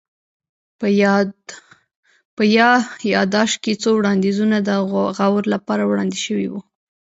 په يا ياداشت کي څو وړانديزونه د غور لپاره وړاندي سوي وه